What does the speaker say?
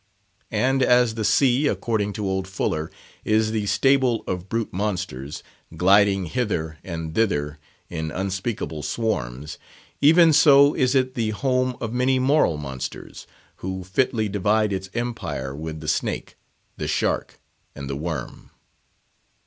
And as the sea, according to old Fuller, is the stable of brute monsters, gliding hither and thither in unspeakable swarms, even so is it the home of many moral monsters, who fitly divide its empire with the snake, the shark, and the worm.